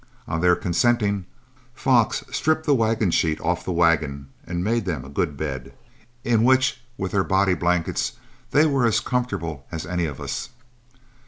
On their consenting, Fox stripped the wagon sheet off the wagon and made them a good bed, in which, with their body blankets, they were as comfortable as any of us.